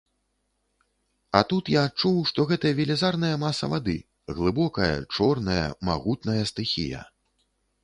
А тут я адчуў, што гэта велізарная маса вады, глыбокая, чорная, магутная стыхія.